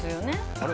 あれ？